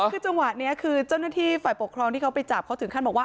คือจังหวะนี้คือเจ้าหน้าที่ฝ่ายปกครองที่เขาไปจับเขาถึงขั้นบอกว่า